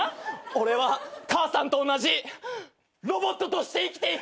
俺は母さんと同じロボットとして生きていく！